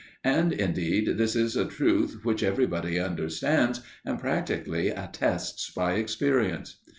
And indeed this is a truth which everybody understands and practically attests by experience.